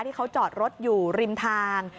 ที่เขาจอดรถอยู่ริมทาง